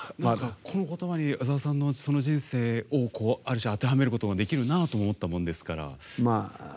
この言葉に矢沢さんの人生をある種、当てはめることができるなと思ったものですから。